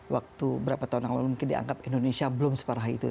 waktu berapa tahun yang lalu mungkin dianggap indonesia belum separah itu